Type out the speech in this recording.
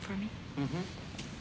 うん。